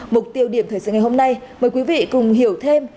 mục tiêu điểm thời sự ngày hôm nay mời quý vị cùng hiểu thêm